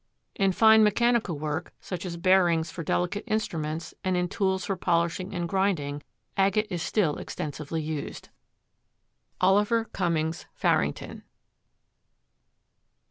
In fine mechanical work, such as bearings for delicate instruments and in tools for polishing and grinding, agate is still extensively used. Oliver Cummings Farrington.